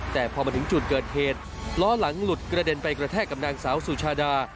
แต่พอมาถึงจุดเกิดเหตุล้อหลังหลุดกระเด็นไปกระแทกกับนางสาวสุชาดา